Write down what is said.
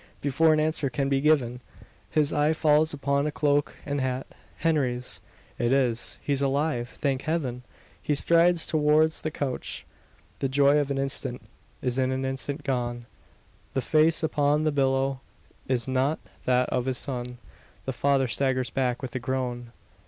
Before an answer can be given, his eye falls upon a cloak and hat Henry's! "It is; he's alive! Thank heaven!" He strides towards the couch. The joy of an instant is in an instant gone. The pale face upon the pillow is not that of his son. The father staggers back with a groan.